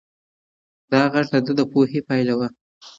دا غږ د ده د پوهې پایله وه.